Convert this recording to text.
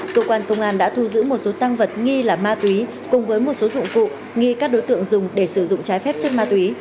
cơ quan công an đã thu giữ một số tăng vật nghi là ma túy cùng với một số dụng cụ nghi các đối tượng dùng để sử dụng trái phép chất ma túy